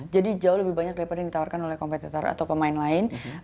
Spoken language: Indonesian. jadi jauh lebih banyak daripada yang ditawarkan oleh kompetitor atau pemain lain